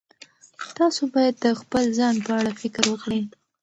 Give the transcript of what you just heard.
تاسو باید د خپل ځان په اړه فکر وکړئ.